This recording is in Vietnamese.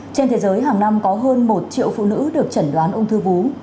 trên thế giới hàng năm có hơn một triệu phụ nữ được chẩn đoán ung thư vú